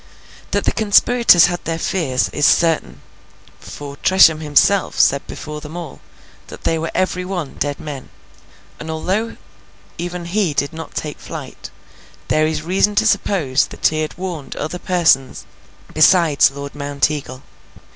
That the conspirators had their fears, is certain; for, Tresham himself said before them all, that they were every one dead men; and, although even he did not take flight, there is reason to suppose that he had warned other persons besides Lord Mounteagle.